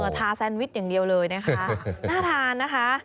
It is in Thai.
ทาแซนวิชอย่างเดียวเลยนะคะน่าทานนะคะ